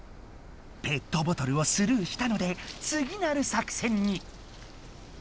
ペットボトルをスルーしたのでつぎなるさくせんに。